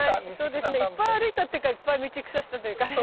はいそうですねいっぱい歩いたっていうかいっぱい道草したというかね。